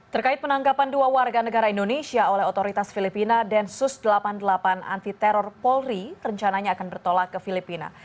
terkait penangkapan dua warga negara indonesia oleh otoritas filipina densus delapan puluh delapan anti teror polri rencananya akan bertolak ke filipina